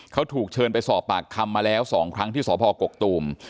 เขาถูกเชิญไปสอบปากคำมาแล้ว๒ครั้งที่สพกกตูม